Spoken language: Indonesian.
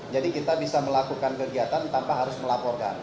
jadi kita bisa melakukan kegiatan tanpa harus melaporkan